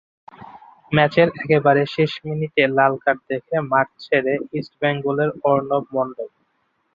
ম্যাচের একেবারে শেষ মিনিটে লাল কার্ড দেখে মাঠ ছেড়েছেন ইস্ট বেঙ্গলের অর্ণব মণ্ডল।